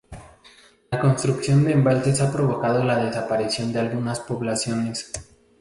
La construcción de embalses ha provocado la desaparición de algunas poblaciones.